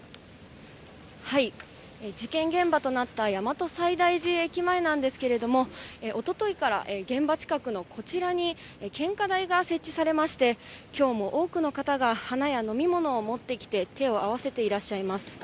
事件現場となった大和西大寺駅前なんですけれども、おとといから現場近くのこちらに献花台が設置されまして、きょうも多くの方が花や飲み物を持ってきて、手を合わせていらっしゃいます。